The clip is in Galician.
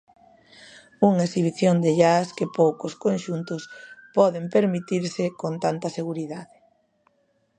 Unha exhibición de jazz que poucos conxuntos poden permitirse con tanta seguridade.